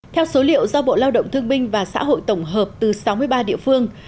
theo số liệu do bộ lao động thương binh và xã hội tổng hợp từ sáu mươi ba địa phương